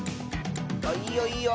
あっいいよいいよ。